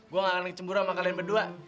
gue nggak akan cemburu sama kalian berdua